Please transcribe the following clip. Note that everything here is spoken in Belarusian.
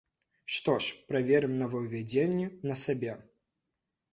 Што ж, праверым новаўвядзенні на сабе.